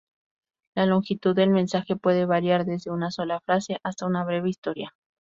La longitud del mensaje puede variar desde una sola frase hasta una breve historia.